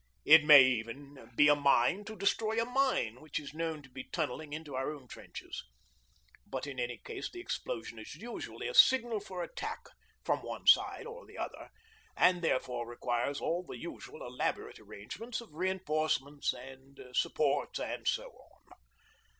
It may even be a mine to destroy a mine which is known to be tunnelling into our own trenches, but in any case the explosion is usually a signal for attack from one side or the other, and therefore requires all the usual elaborate arrangements of reinforcements and supports and so on.